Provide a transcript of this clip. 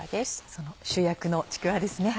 その主役のちくわですね。